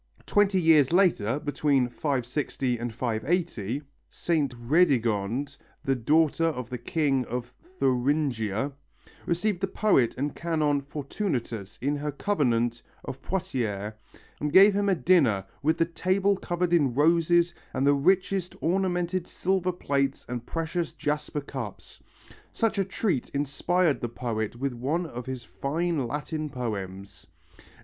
Twenty years later, between 560 and 580, Saint Radegond, the daughter of the king of Thuringia, received the poet and canon Fortunatus in her convent of Poitiers and gave him a dinner with the table covered in roses and the richest ornamented silver plates and precious jasper cups. Such a treat inspired the poet with one of his fine Latin poems.